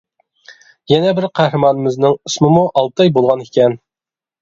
يەنە بىر قەھرىمانىمىزنىڭ ئىسمىمۇ ئالتاي بولغانىكەن.